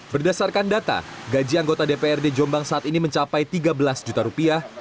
berdasarkan data gaji anggota dprd jombang saat ini mencapai tiga belas juta rupiah